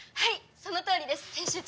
そのとおりです編集長！